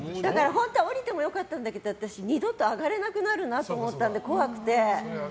本当は下りても良かったんだけど二度と上がれなくなるなと思って怖くて。